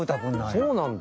そうなんだ！